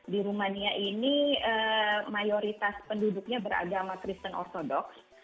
di rumania ini mayoritas penduduknya beragama kristen ortodoks